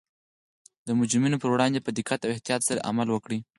د مجرمینو پر وړاندې په دقت او احتیاط سره عمل وکړي